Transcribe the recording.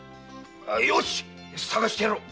よしっ捜してやろう！